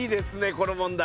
この問題。